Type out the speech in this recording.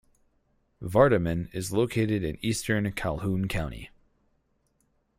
Vardaman is located in eastern Calhoun County.